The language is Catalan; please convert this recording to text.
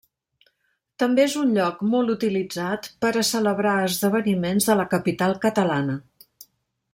També és un lloc molt utilitzat per a celebrar esdeveniments de la capital catalana.